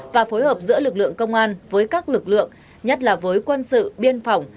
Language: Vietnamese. và phối hợp giữa lực lượng công an với các lực lượng nhất là với quân sự biên phòng